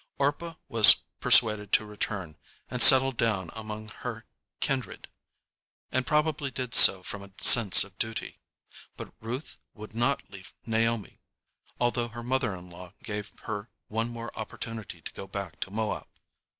] Orpah was persuaded to return and settle down among her kindred, and probably did so from a sense of duty; but Ruth would not leave Naomi, although her mother in law gave her one more opportunity to go back to Moab.